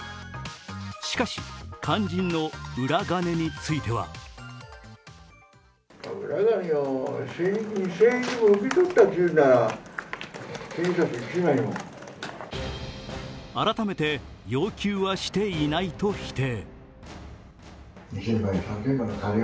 しかし、肝心の裏金については改めて要求はしていないと否定。